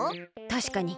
たしかに。